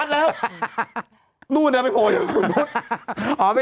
แล้วเราจะกลับวัดแล้ว